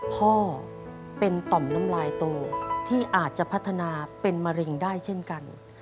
พ่อเป็นต่อมน้ำลายโตที่อาจจะพัฒนาเป็นมะเร็งได้เช่นกัน